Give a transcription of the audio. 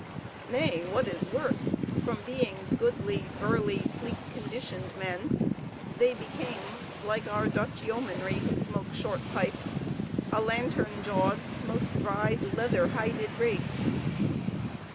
Nay, what is worse, from being goodly, burly, sleek conditioned men, they became, like our Dutch yeomanry who smoke short pipes, a lantern jawed, smoke dried, leather hided race.